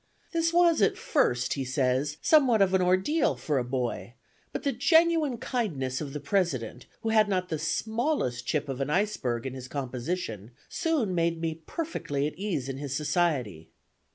"This was at first," he says, "somewhat of an ordeal for a boy; but the genuine kindness of the President, who had not the smallest chip of an iceberg in his composition, soon made me perfectly at ease in his society."